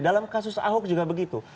dalam kasus ahok juga begitu